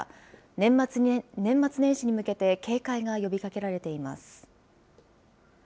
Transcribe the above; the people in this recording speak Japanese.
年末年始に向けて警戒が呼びかけられています。